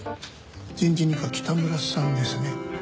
人事二課北村さんですね。